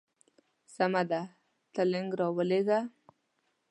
سمه ده ته لینک راولېږه.